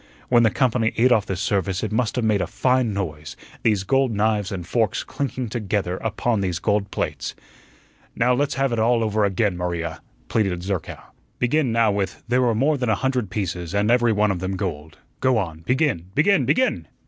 When the company ate off this service, it must have made a fine noise these gold knives and forks clinking together upon these gold plates. "Now, let's have it all over again, Maria," pleaded Zerkow. "Begin now with 'There were more than a hundred pieces, and every one of them gold.' Go on, begin, begin, begin!"